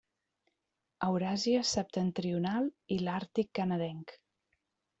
Euràsia septentrional i l'Àrtic canadenc.